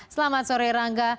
selamat sore rangga